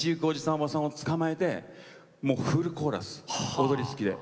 おばさんを捕まえてフルコーラス、踊り付きで。